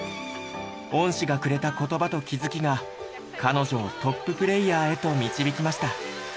恩師がくれた言葉と気づきが彼女をトッププレーヤーへと導きました。